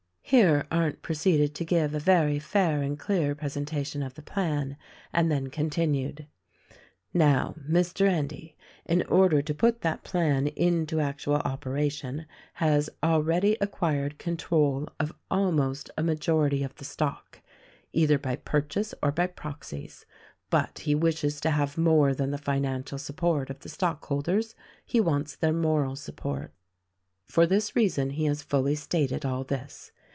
Here Arndt proceeded to give a very fair and clear pre sentation of the plan, and then continued : "Now, Mr. Endy — in order to put that plan into actual operation has already acquired control of almost a majority of the stock — either by purchase or by proxies, but he wishes to have more than the financial support of the stockholders — he wants their moral support. For this reason he has fully stated all this.